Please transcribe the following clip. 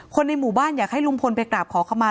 คนในหมู่บ้านอยากให้ลุงพลไปกราบขอขมา